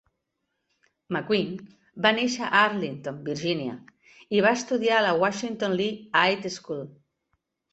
McQuinn va néixer a Arlington, Virginia, i va estudiar a la Washington-Lee High School.